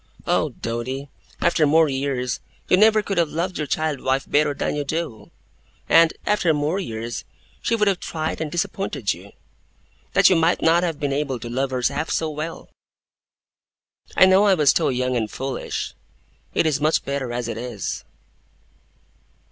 'Oh, Doady, after more years, you never could have loved your child wife better than you do; and, after more years, she would so have tried and disappointed you, that you might not have been able to love her half so well! I know I was too young and foolish. It is much better as it is!